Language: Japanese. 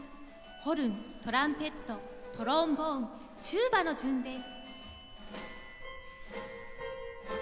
ホルントランペットトロンボーンチューバの順です。